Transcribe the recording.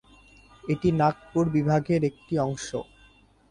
এটি নাগপুর বিভাগের একটি অংশ।